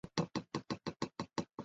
普雷特勒维尔。